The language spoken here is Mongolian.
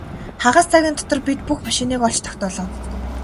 Хагас цагийн дотор бид бүх машиныг олж тогтоолоо.